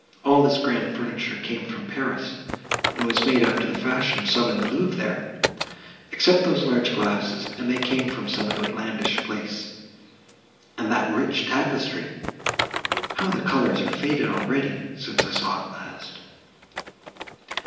—all this grand furniture came from Paris, and was made after the fashion of some in the Louvre there, except those large glasses, and they came from some outlandish place, and that rich tapestry. How the colours are faded already!—since I saw it last!"